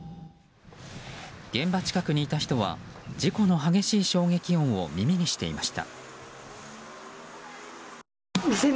現場近くにいた人は事故の激しい衝撃音を耳にしていました。